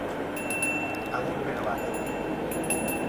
Agur bero bat.